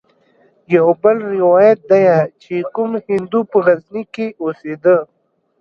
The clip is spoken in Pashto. يو بل روايت ديه چې کوم هندو په غزني کښې اوسېده.